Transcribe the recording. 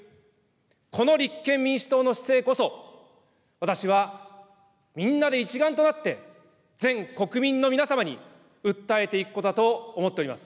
この立憲民主党の姿勢こそ、私はみんなで一丸となって、全国民の皆様に訴えていくことだと思っております。